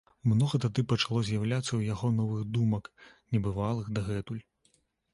Многа тады пачало з'яўляцца ў яго новых думак, небывалых дагэтуль.